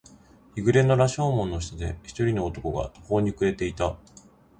日暮れの羅生門の下で、一人の男が途方に暮れていた。